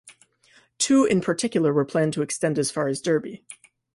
Two in particular were planned to extend as far as Derby.